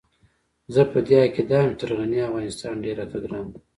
زه په دې عقيده يم چې تر غني افغانستان ډېر راته ګران دی.